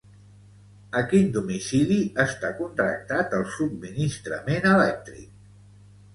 A quin domicili està contractat el subministrament elèctric?